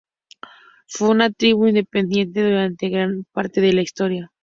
Fue una tribu independiente durante gran parte de su historia.